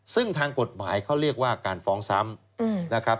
ซึ่งทางกฎหมายเขาเรียกว่าการฟ้องซ้ำนะครับ